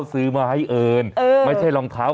ซื้อให้มันต้องมีในกล่องไว้ล่ะ